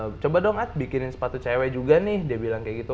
nah bos saya coba dong aad bikinin sepatu cewek juga nih dia bilang kayak gitu